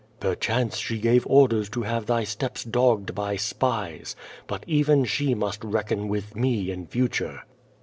"Perchance she gave orders to have thy steps dogged by spies. But even she must reckon with me in future."